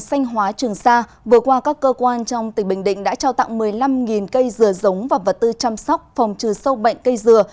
xanh hóa trường xa vừa qua các cơ quan trong tỉnh bình định đã trao tặng một mươi năm cây dừa giống và vật tư chăm sóc phòng trừ sâu bệnh cây dừa